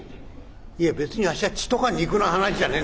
「いえ別にあっしは血とか肉の話じゃねえんですよ？